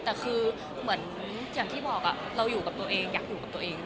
แต่คือเหมือนอย่างที่บอกเราอยู่กับตัวเองอยากอยู่กับตัวเอง